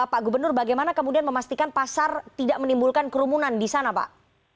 pak gubernur bagaimana kemudian memastikan pasar tidak menimbulkan kerumunan di sana pak